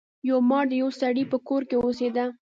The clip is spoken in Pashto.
یو مار د یو سړي په کور کې اوسیده.